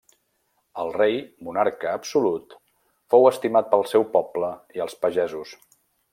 El rei, monarca absolut, fou estimat pel seu poble i els pagesos.